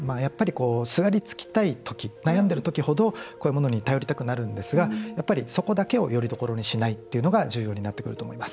すがりつきたい時悩んでいるときほどこういうものに頼りたくなるんですがそこだけをよりどころにしないのも重要になってくると思います。